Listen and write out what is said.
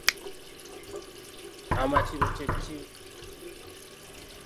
Amakiro kye ki?